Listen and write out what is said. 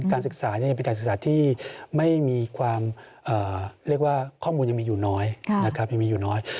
การศึกษานี่เป็นการศึกษาที่ไม่มีความเรียกว่าข้อมูลยังมีอยู่น้อย